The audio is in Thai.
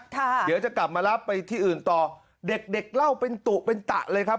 เดี๋ยวจะกลับมารับไปที่อื่นต่อเด็กเด็กเล่าเป็นตุเป็นตะเลยครับ